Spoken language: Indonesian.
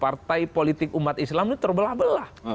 partai politik umat islam itu terbelah belah